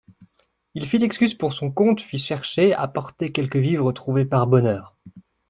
Il fit excuse pour son compte, fit chercher, apporter quelques vivres trouvés par bonheur.